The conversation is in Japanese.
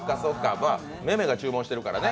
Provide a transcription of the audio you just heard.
めめが注文してるからね。